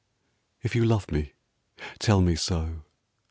F you love me, tell me so.